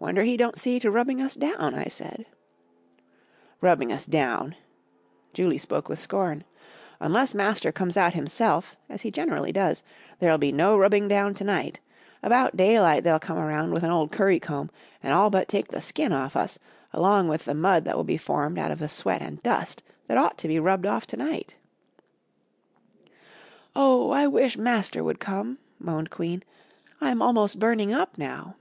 "Wonder he don't see to rubbing us down," I said. "Rubbing us down!" Julie spoke with scorn. "Unless Master comes out himself, as he generally does, there'll be no rubbing down to night. About daylight they'll come around with an old currycomb and all but take the skin off us, along with the mud that will be formed out of the sweat and dust that ought to be rubbed off to night." "Oh, I wish Master would come!" moaned Queen; "I am almost burning up now."